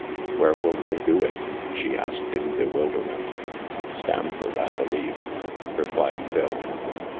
" Where will they do it ?" she asked in bewilder ment. " Stamford, I believe," replied Phil.